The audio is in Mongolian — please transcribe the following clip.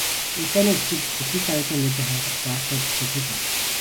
Энх тайвныг бэхжүүлэх, бүх нийтийн аюулгүй байдлыг хангах заалтууд бичээтэй л байгаа.